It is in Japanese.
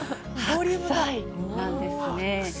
白菜なんですね。